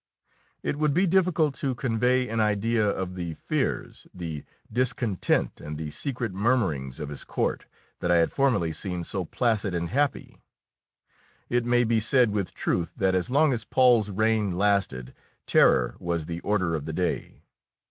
It would be difficult to convey an idea of the fears, the discontent and the secret murmurings of his court, that I had formerly seen so placid and happy. It may be said with truth that as long as Paul's reign lasted terror was the order of the day.